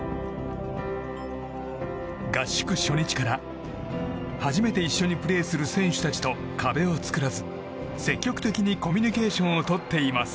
合宿初日から、初めて一緒にプレーする選手たちと壁を作らず積極的にコミュニケーションをとっています。